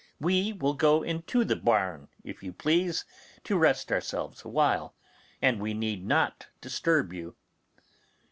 We will go into the barn, if you please, to rest ourselves a while, and we need not disturb you.